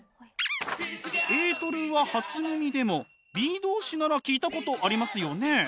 エートルは初耳でもｂｅ動詞なら聞いたことありますよね。